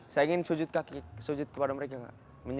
saya ingin sujud kaki sujud kepada mereka